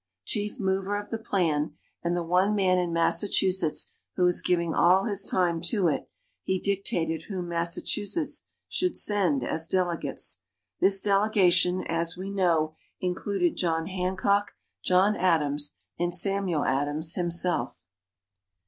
Chief mover of the plan, and the one man in Massachusetts who was giving all his time to it, he dictated whom Massachusetts should send as delegates. This delegation, as we know, included John Hancock, John Adams and Samuel Adams himself.